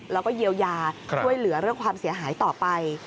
แล้วก็เยียวยาช่วยเหลือเรื่องความเสียหายต่อไป